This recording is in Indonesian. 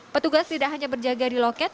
petugas tidak hanya berjaga di loket